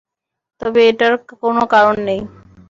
তবে এটার কোনও কারন নেই।